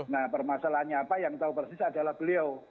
nah permasalahannya apa yang tahu persis adalah beliau